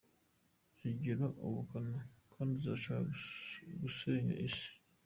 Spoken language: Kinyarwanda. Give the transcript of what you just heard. Zigira ubukana kandi zirashaka gusenya Isi.